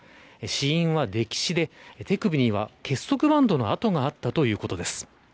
死因は溺死で手首には結束バンドの痕があったということです。